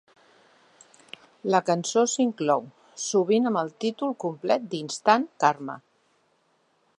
La cançó s'inclou, sovint amb el títol complet d'Instant Karma!